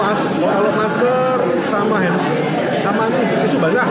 kalau elok masker sama hand sanitizer sama nih tisu basah